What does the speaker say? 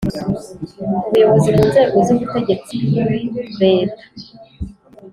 ubuyobozi mu nzego z’ubutegetsi bw leta,